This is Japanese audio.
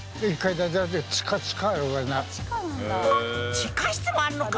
地下室もあんのか！